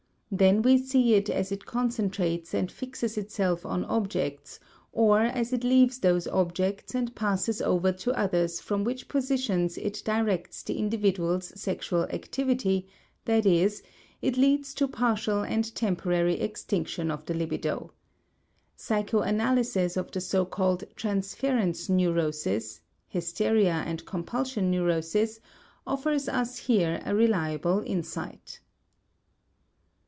Then we see it as it concentrates and fixes itself on objects, or as it leaves those objects and passes over to others from which positions it directs the individual's sexual activity, that is, it leads to partial and temporary extinction of the libido. Psychoanalysis of the so called transference neuroses (hysteria and compulsion neurosis) offers us here a reliable insight.